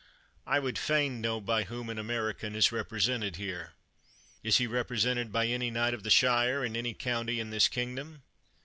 I would fain know by whom an American is represented here. Is he represented by any knight of the shire, in any county in this kingdom?